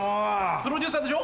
プロデューサーでしょ？